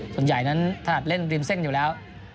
ส่วนใหญ่นั้นถนัดเล่นริมเส้นอยู่แล้ว